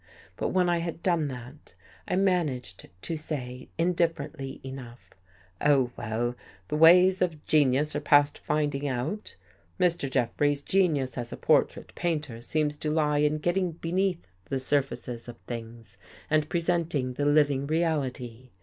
But when I had done that, I man aged to say indifferently enough, " Oh, well, the ways of genius are past finding out. Mr. Jeffrey's genius as a portrait painter seems to lie in getting be neath the surfaces of things and presenting the liv ing reality.